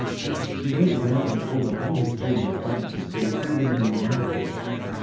He went around and called on all his former acquaintances who were still living in the neighborhood.